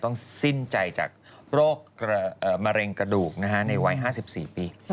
สิ้นใจจากโรคมะเร็งกระดูกในวัย๕๔ปี